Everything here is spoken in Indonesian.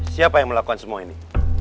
siapa yang melakukan semua ini